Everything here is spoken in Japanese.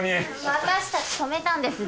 私たち止めたんです。